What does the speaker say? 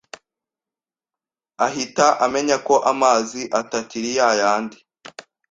ahita amenya ko amazi atakiri ya yandi